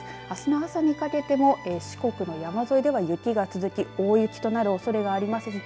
あすの朝にかけても四国の山沿いでは雪が続き大雪となるおそれがあります。